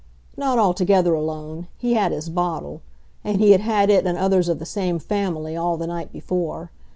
Not altogether alone he had his bottle. And he had had it and others of the same family all the night before.